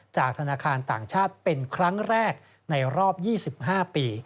ธนาคารต่างชาติเป็นครั้งแรกในรอบ๒๕ปี